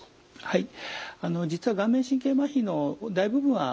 はい。